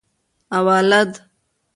اوالد